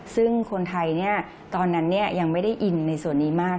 ซึ่งคนไทยตอนนั้นยังไม่ได้อินในส่วนนี้มาก